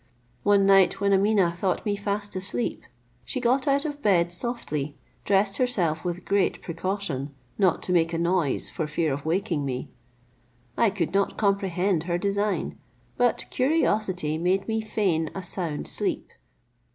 One night, when Ameeneh thought me fast asleep, she got out of bed softly, dressed herself with great precaution, not to make a noise for fear of awaking me. I could not comprehend her design, but curiosity made me feign a sound sleep.